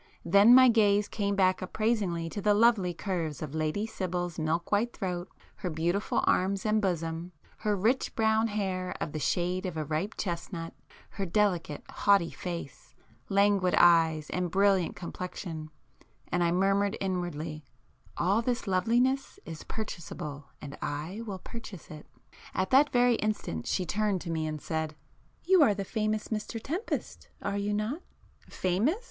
Then my gaze came back appraisingly to the lovely curves of Lady Sibyl's milk white throat, her beautiful arms and bosom, her rich brown hair of the shade of a ripe chestnut, her delicate haughty face, languid eyes and brilliant complexion,—and I murmured inwardly—"All this loveliness is purchaseable, and I will purchase it!" At that very instant she turned to me and said— "You are the famous Mr Tempest, are you not?" "Famous?"